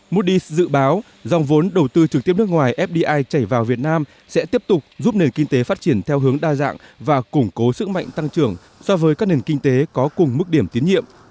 moody s dự báo dòng vốn đầu tư trực tiếp nước ngoài fdi chảy vào việt nam sẽ tiếp tục giúp nền kinh tế phát triển theo hướng đa dạng và củng cố sức mạnh tăng trưởng so với các nền kinh tế có cùng mức điểm tiến nhiệm